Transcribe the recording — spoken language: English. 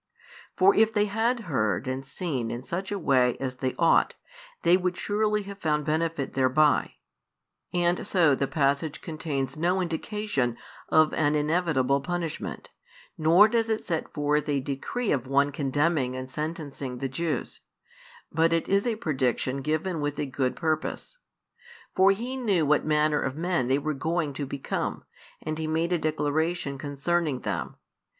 For if they had heard and seen in such a way as they ought, they would surely have found benefit thereby. And so the passage contains no indication of an inevitable punishment, nor does it set forth a decree of One condemning and sentencing the Jews; but it is a prediction given with a good purpose. For He knew what manner of men they were going to become, and He made a declaration concerning them.